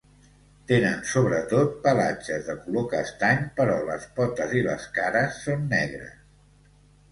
Tenen sobretot pelatges de color castany, però les potes i les cares són negres.